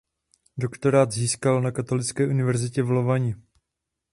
Doktorát získal na Katolické univerzitě v Lovani.